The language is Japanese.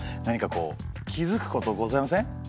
何かこう気づくことございません？